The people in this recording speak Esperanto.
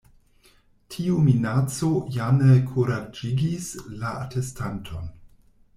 Tiu minaco ja ne kuraĝigis la atestanton.